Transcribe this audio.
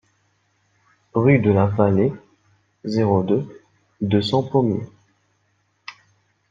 Rue de la Vallée, zéro deux, deux cents Pommiers